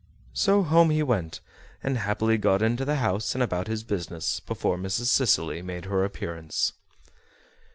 So home he went, and happily got into the house and about his business before Mrs. Cicely made her appearance.